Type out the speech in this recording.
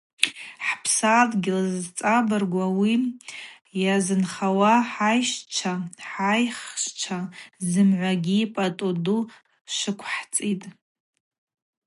Хӏ-Псадгьыл йазцӏабыргу, ауи йазынхауа хӏайщчва, хӏахщчва зымгӏвагьи пӏатӏу ду швыквхӏцӏитӏ.